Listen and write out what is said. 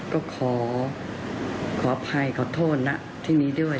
ก็ขออภัยขอโทษนะที่นี้ด้วย